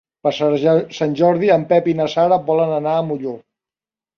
Per Sant Jordi en Pep i na Sara volen anar a Molló.